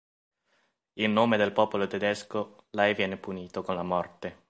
In nome del popolo tedesco: Lei viene punito con la morte.